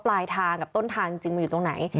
ปลายทางกับต้นทางจริงมันอยู่ตรงไหน